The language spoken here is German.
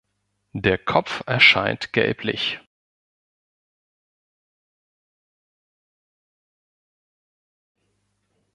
Der Kopf erscheint gelblich.